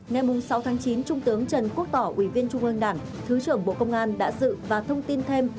ngày sáu chín trung tướng trần quốc tỏ ủy viên trung ương đảng thứ trưởng bộ công an đã dự và thông tin thêm